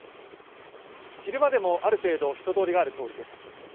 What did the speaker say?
昼間でもある程度、人通りがある通りです。